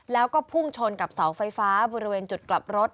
แล้วก็พุ่งชนกับเสาไฟฟ้าบริเวณจุดกลับรถ